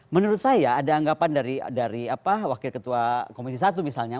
menurut saya ada anggapan dari wakil ketua komisi satu misalnya